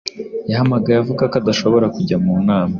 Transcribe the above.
Yahamagaye avuga ko adashobora kujya mu nama.